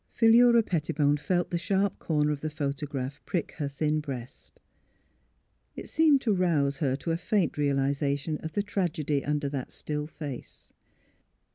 Philura Pettibone felt the sharp corner of the photograph prick her thin breast. It seemed to rouse her to a faint realisation of the tragedy under that still face.